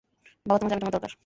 বাবা, তোমার চাবিটা আমার দরকার।